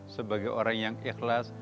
sebagai orang yang ikhlas